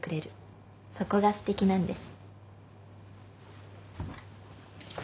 そこがすてきなんです。